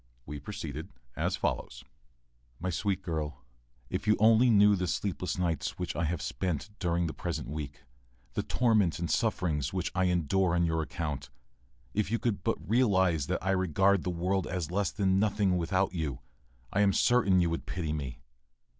We proceeded as follows:] My sweet girl, if you only knew the sleepless nights which I have spent during the present week, the torments and sufferings which I endure on your account; if you could but realize that I regard the world as less than nothing without you, I am certain you would pity me.